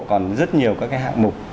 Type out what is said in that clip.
còn rất nhiều các hạng mục